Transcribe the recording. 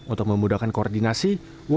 untuk memudahkan koordinasi